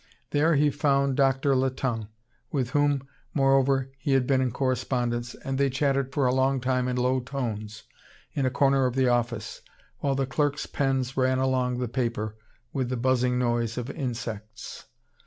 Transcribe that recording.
There he found Doctor Latonne, with whom, moreover, he had been in correspondence, and they chatted for a long time in low tones, in a corner of the office, while the clerks' pens ran along the paper, with the buzzing noise of insects.